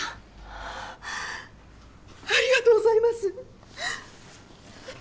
はぁありがとうございます。